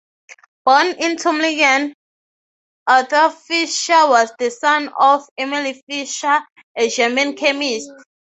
Born in Tumlingen, Artur Fischer was the son of Emil Fischer, a German chemist.